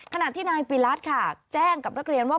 ขณะที่นายปีรัฐค่ะแจ้งกับนักเรียนว่า